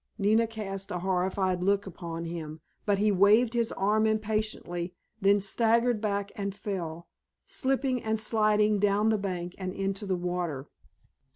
Nina cast a horrified look upon him, but he waved his arm impatiently, then staggered back and fell, slipping and sliding down the bank and into the water.